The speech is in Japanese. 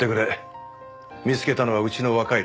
見つけたのはうちの若い連中だ。